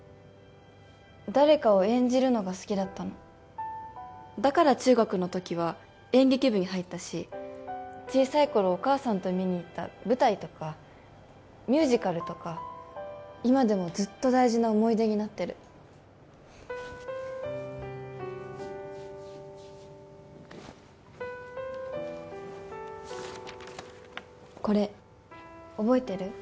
誰かを演じるのが好きだったのだから中学のときは演劇部に入ったし小さい頃お母さんと見に行った舞台とかミュージカルとか今でもずっと大事な思い出になってるこれ覚えてる？